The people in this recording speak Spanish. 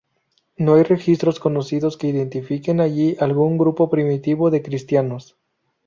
No hay registros conocidos que identifiquen allí algún grupo primitivo de cristianos.